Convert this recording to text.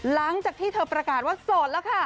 หลังจากที่เธอประกาศว่าโสดแล้วค่ะ